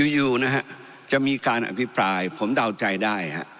อยู่นะฮะจะมีการอภิปรายผมเดาใจได้ฮะ